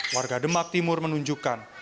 warga demak timur menunjukkan